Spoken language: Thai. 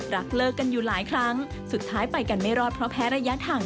เลิกกันอยู่หลายครั้งสุดท้ายไปกันไม่รอดเพราะแพ้ระยะทาง